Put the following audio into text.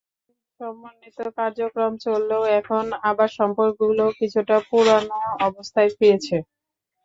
এরপর কিছুদিন সমন্বিত কার্যক্রম চললেও এখন আবার সম্পর্কগুলো কিছুটা পুরোনো অবস্থায় ফিরেছে।